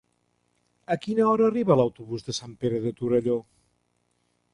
A quina hora arriba l'autobús de Sant Pere de Torelló?